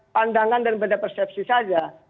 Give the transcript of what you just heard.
pandangan dan beda persepsi saja